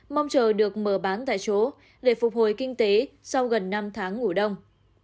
mong chờ được mở bán tại chỗ để phục hồi kinh tế sau gần năm tháng ngủ đông